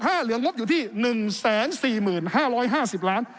ปี๖๕เหลืองบอยู่ที่๑๔๕๕๐ล้านบาท